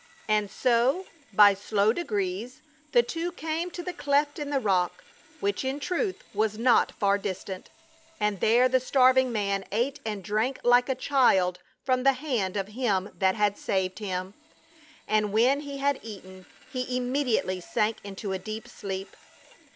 And so, by slow degrees, the two came to the cleft in the rock, which in truth was not far distant. And there the starving man ate and drank like a child from the hand of him that had saved him, and when he had eaten he immediately sank into a deep sleep.